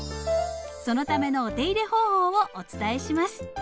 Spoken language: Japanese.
そのためのお手入れ方法をお伝えします。